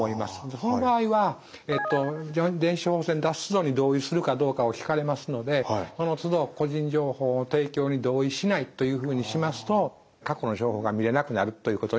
その場合は電子処方箋を出すのに同意するかどうかを聞かれますのでそのつど個人情報の提供に同意しないというふうにしますと過去の情報が見れなくなるということになります。